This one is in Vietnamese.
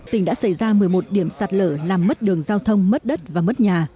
tỉnh đã xảy ra một mươi một điểm sạt lở làm mất đường giao thông mất đất và mất nhà